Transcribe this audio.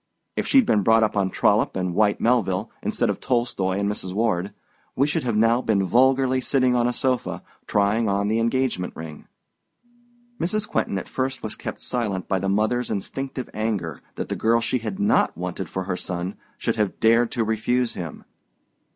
If she'd been brought up on Trollope and Whyte Melville, instead of Tolstoi and Mrs. Ward, we should have now been vulgarly sitting on a sofa, trying on the engagement ring." Mrs. Quentin at first was kept silent by the mother's instinctive anger that the girl she has not wanted for her son should have dared to refuse him.